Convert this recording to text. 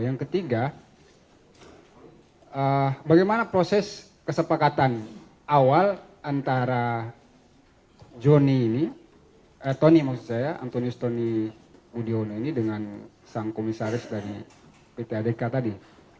yang ketiga bagaimana proses kesepakatan awal antara tony budiwono ini dengan sang komisaris dari pt adeka tadi